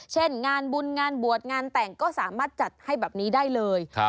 เช่นงานบุญงานบวชงานแต่งก็สามารถจัดให้แบบนี้ได้เลย